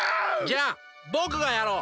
じゃあぼくがやろう！